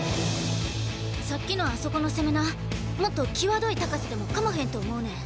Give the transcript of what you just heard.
さっきのあそこの攻めなもっと際どい高さでもかまへんと思うねん。